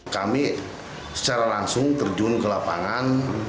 kami secara langsung terjun ke lapangan